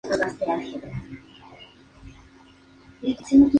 No obstante, su acepción "sensu lato" sugiere que es requerido en los cuatro verticilos.